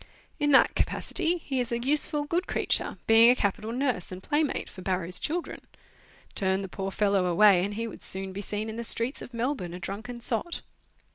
In that capacity he is a useful, good creature, being a capital nurse and playmate for Barrow's children. Turn the poor fellow away, and he would soon be seen in the streets of Melbourne a drunken sot.